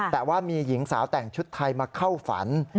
แต่ว่ามีหญิงสาวแต่งชุดไทยมาเข้าฝัน